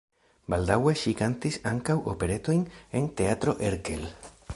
Baldaŭe ŝi kantis ankaŭ operetojn en Teatro Erkel.